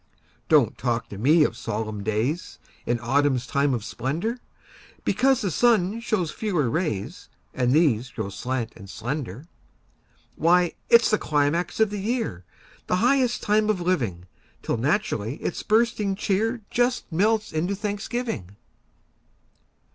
Don't talk to me of solemn days In autumn's time of splendor, Because the sun shows fewer rays, And these grow slant and slender. Why, it's the climax of the year, The highest time of living! Till naturally its bursting cheer Just melts into thanksgiving.